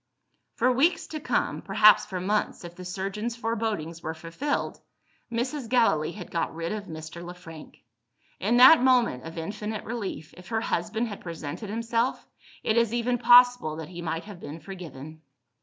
For weeks to come perhaps for months if the surgeons' forebodings were fulfilled Mrs. Gallilee had got rid of Mr. Le Frank. In that moment of infinite relief, if her husband had presented himself, it is even possible that he might have been forgiven.